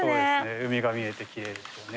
海が見えてきれいですよね。